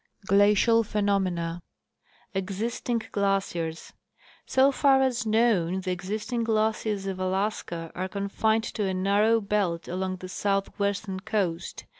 Glacial Phenomena. Existing Glaciers. So far as known the existing glaciers of Alaska are confined to a narrow belt along the southwestern coast.